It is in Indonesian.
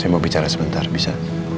saya mau bicara sebentar bisa